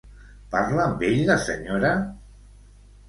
Parla amb ell la senyora?